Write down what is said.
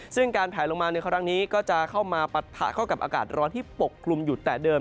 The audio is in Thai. ซึ่งการแผลลงมาในครั้งนี้ก็จะเข้ามาปะทะเข้ากับอากาศร้อนที่ปกคลุมอยู่แต่เดิม